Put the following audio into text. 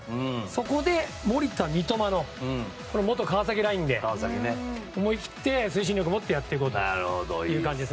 そこで、守田と三笘の元川崎ラインで思い切って、推進力を持ってやっていこうという。